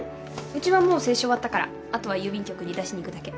うちはもう清書終わったから後は郵便局に出しに行くだけ。